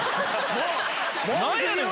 何やねん！